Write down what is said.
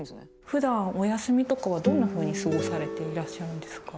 ふだんお休みとかはどんなふうに過ごされていらっしゃるんですか？